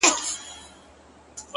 د نظرونو په بدل کي مي فکرونه راوړل،